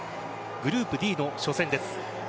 グループＤの初戦です。